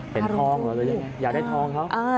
หรือยังอยากได้ท้องเขา